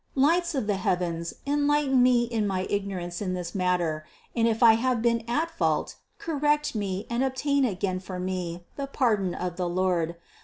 Lights of the heavens, enlighten me in my ignorance in this matter, and if I have been at fault, correct me and obtain again for me the pardon of my Lord.